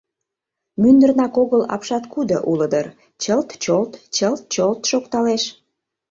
Мӱндырнак огыл апшаткудо уло дыр: чылт-чолт, чылт-чолт шокталеш.